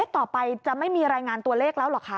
ต่อไปจะไม่มีรายงานตัวเลขแล้วเหรอคะ